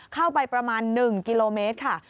เข้าไปประมาณ๑กิโลเมตรค่ะ